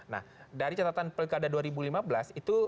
nah dari catatan pilkada dua ribu lima belas itu